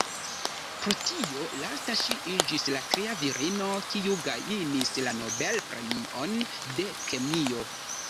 Pro tio lasta ŝi iĝis la tria virino kiu gajnis la Nobel-premion de kemio.